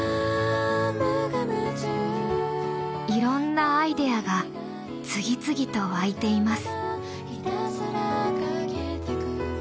いろんなアイデアが次々と湧いています。